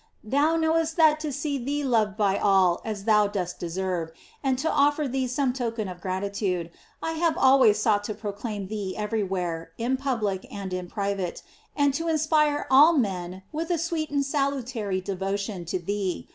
Thou knowest that to see thee loved by all as thou dost deserve, and to of fer thee some token of gratitude, I have always sought to proclaim thee everywhere, in public and in private, and to inspire all men with a sweet and salutary devotion to thee.